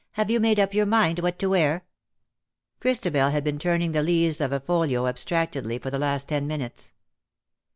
" have you made up your mind what to wear ?" Christabel had been turning the leaves of a folio abstractedly for the last ten minutes.